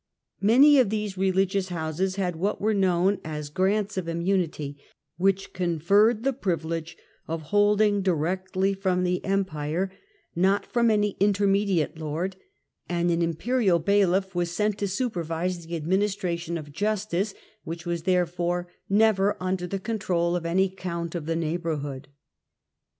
Many of these religious houses had what were known as grants of immunity, which conferred the privilege of holding directly from the Empire, not from 98 RISE OF THE SWISS REPUBLIC 99 any intermediate lord, and an Imperial bailiff was sent to supervise the administration of justice, which was, therefore, never under the control of any Count of the neighbourhood.